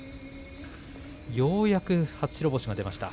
ようやく初白星が出ました。